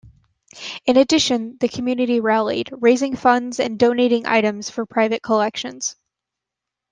In addition, the community rallied, raising funds and donating items from private collections.